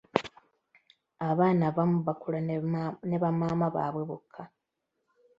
Abaana abamu bakula ne bamaama baawe bokka.